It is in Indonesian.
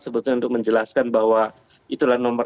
sebetulnya untuk menjelaskan bahwa itulah nomor